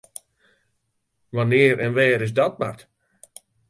Wannear en wêr is dat bard?